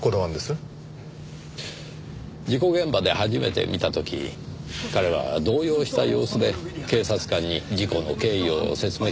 事故現場で初めて見た時彼は動揺した様子で警察官に事故の経緯を説明していましたよね。